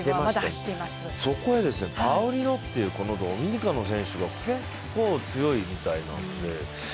そこへパウリノっていうドミニカの選手が結構強いみたいなんです。